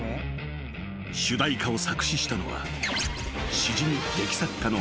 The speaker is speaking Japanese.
［主題歌を作詞したのは］